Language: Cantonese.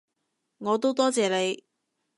我都多謝你